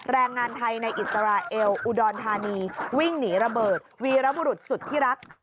แรงงานไทยในอิสราเอลอุดรธานีวิ่งหนีระเบิดวีรบุรุษสุดที่รัก